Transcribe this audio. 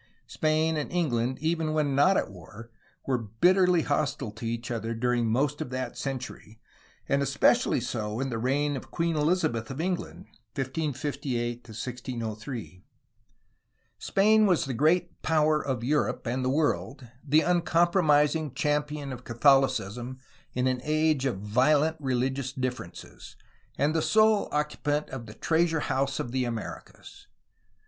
Spain and England, even when not at war, were bit terly hostile to each other during most of that century and especially so in the reign of Queen Elizabeth of England (1558 1603). Spain was the great power of Europe and the world, the uncompromising champion of Catholicism in an age of violent religious differences, and the sole occupant of the treasure house of the Americas.